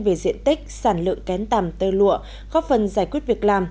về diện tích sản lượng kén tầm tơ lụa góp phần giải quyết việc làm